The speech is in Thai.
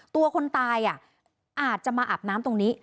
ตัวคนตายอาจจะมาอาบน้ำตรงนี้